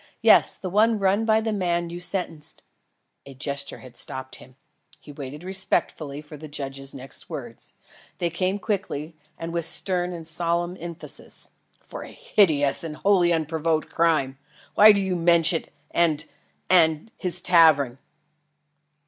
Yes, the one run by the man you sentenced " A gesture had stopped him. He waited respectfully for the judge's next words. They came quickly and with stern and solemn emphasis. "For a hideous and wholly unprovoked crime. Why do you mention it and and his tavern?"